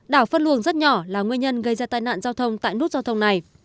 đảo phân luồng rất nhỏ là nguyên nhân gây ra tai nạn giao thông tại nút giao thông này